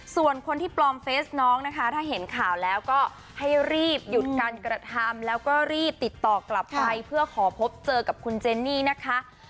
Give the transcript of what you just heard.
ส่วนคนที่ปลอมเฟสน้องนะคะถ้าเห็นข่าวแล้วก็ให้รีบหยุดการกระทำแล้วก็รีบติดต่อกลับไปเพื่อขอพบเจอกับคุณเจนนี่นะคะ